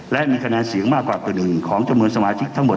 และมีคะแนนเสียงมากกว่าตัวหนึ่งของเจ้าเมืองสมาชิกทั้งหมด